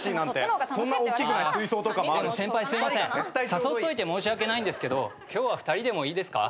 誘っといて申し訳ないんですけど今日は２人でもいいですか？